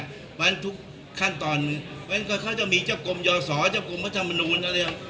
เพราะฉะนั้นทุกขั้นตอนเขาจะมีเจ้ากลมยอสรเจ้ากลมมธรรมนูญอะไรอย่าง